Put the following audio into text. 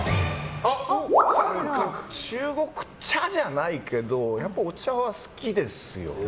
中国茶じゃないけどお茶は好きですよね。